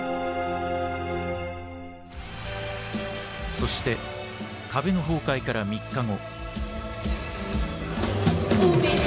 そして壁の崩壊から３日後。